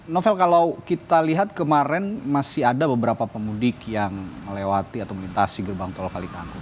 novel kalau kita lihat kemarin masih ada beberapa pemudik yang melewati atau melintasi gerbang tol kalikangkung